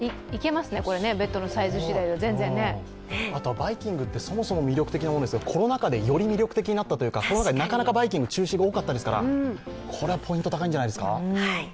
バイキングってそもそも魅力的なものですがコロナ禍で、より魅力的になったといいますか、コロナ禍でなかなかバイキング中止が多かったですからこれはポイント高いんじゃないでですか。